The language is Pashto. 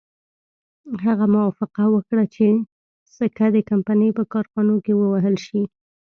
هغه موافقه وکړه چې سکه د کمپنۍ په کارخانو کې ووهل شي.